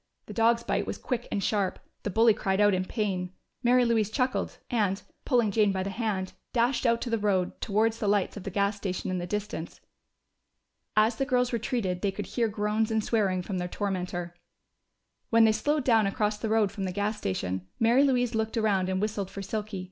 The dog's bite was quick and sharp: the bully cried out in pain. Mary Louise chuckled and, pulling Jane by the hand, dashed out to the road, towards the lights of the gas station in the distance. As the girls retreated, they could hear groans and swearing from their tormentor. When they slowed down across the road from the gas station, Mary Louise looked around and whistled for Silky.